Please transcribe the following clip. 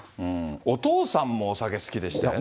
お父さんもお酒好きでしたよね。